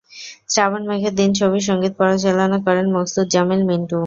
শ্রাবণ মেঘের দিন ছবির সংগীত পরিচালনা করেন মকসুদ জামিল মিন্টু।